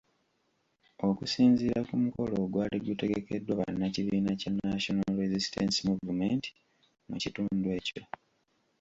Okusinziira ku mukolo ogwali gutegekeddwa bannakibiina kya National Resistance Movement mu kitundu ekyo.